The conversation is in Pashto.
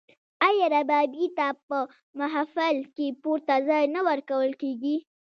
آیا ربابي ته په محفل کې پورته ځای نه ورکول کیږي؟